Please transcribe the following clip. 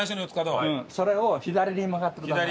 それを左に曲がってください。